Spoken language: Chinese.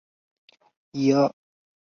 加速青春痘或香港脚的治愈。